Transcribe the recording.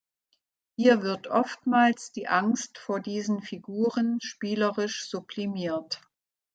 Hier wird oftmals die Angst vor diesen Figuren spielerisch sublimiert.